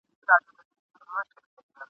د چمن هغه کونج چي په ځنګله ننوتلی !.